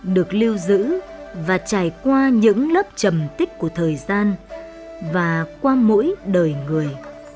được lưu giữ và trải qua những lớp trầm tích của thời gian và qua mỗi đời người